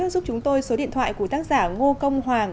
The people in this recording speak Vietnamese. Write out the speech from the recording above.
giúp chúng tôi số điện thoại của tác giả ngo công hoàng